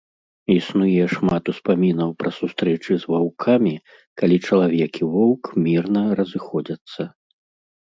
Існуе шмат успамінаў пра сустрэчы з ваўкамі, калі чалавек і воўк мірна разыходзяцца.